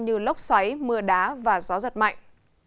như lốc xoáy mưa đá và gió giật mạnh